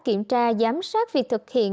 kiểm tra giám sát việc thực hiện